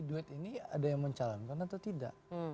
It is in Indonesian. duet ini ada yang mencalonkan atau tidak